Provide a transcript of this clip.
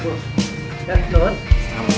oh jadi berapa dua kang